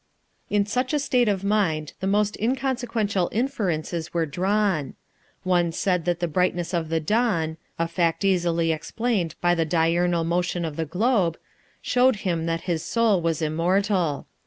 In such a state of mind the most inconsequential inferences were drawn. One said that the brightness of the dawn a fact easily explained by the diurnal motion of the globe showed him that his soul was immortal.